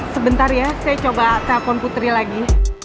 sebentar ya saya coba telepon putri lagi